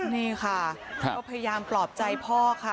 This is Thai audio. นี่ค่ะก็พยายามปลอบใจพ่อค่ะ